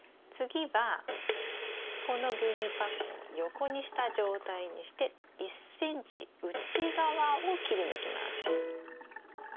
次はこの牛乳パックを横にした状態にして１ｃｍ内側を切り抜きます。